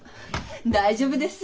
大丈夫です。